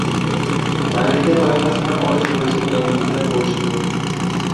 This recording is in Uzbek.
Malaka toifasini olish bo‘yicha yangiliklar bo‘lishi mumkin